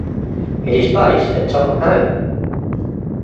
It is based at Tottenham Hale.